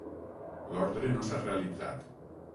L'ordre no s'ha realitzat.